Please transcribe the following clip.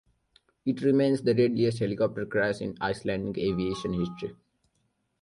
It remains the deadliest helicopter crash in Icelandic aviation history.